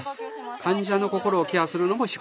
患者の心をケアするのも仕事です。